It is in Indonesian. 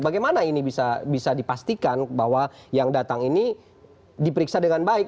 bagaimana ini bisa dipastikan bahwa yang datang ini diperiksa dengan baik